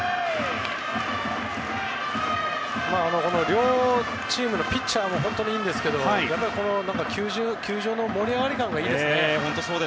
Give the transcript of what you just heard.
両チームのピッチャーも本当にいいんですけど球場の盛り上がり感がいいですね。